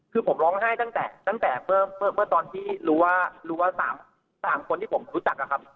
คือผมร้องไห้ตั้งแต่ตั้งแต่เมื่อเมื่อเมื่อตอนที่รู้ว่ารู้ว่าสามสามคนที่ผมรู้จักอ่ะครับ